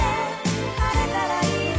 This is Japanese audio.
「晴れたらいいね」